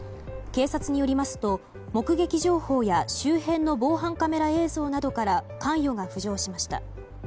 警察によりますと、目撃情報や周辺の防犯カメラ映像などから関与が浮上しました。